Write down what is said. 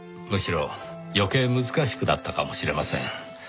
むしろ余計難しくなったかもしれません。